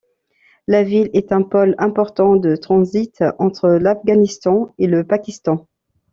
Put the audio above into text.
La ville est un pôle important de transit entre l'Afghanistan et le Pakistan.